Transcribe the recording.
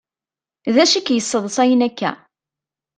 D acu i k-yesseḍsayen akka?